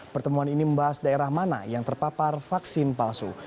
pertemuan ini membahas daerah mana yang terpapar vaksin palsu